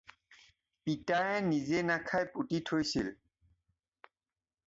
পিতায়ে নিজে নাখাই পুতি থৈছিল।